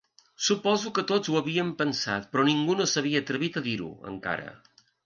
Suposo que tots ho havíem pensat però ningú no s'havia atrevit a dir-ho, encara.